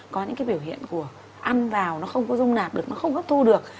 có những cái biểu hiện của ăn vào nó không có dung nạp được nó không hấp thu được